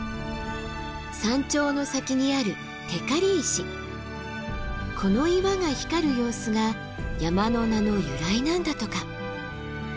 山頂の先にあるこの岩が光る様子が山の名の由来なんだとか。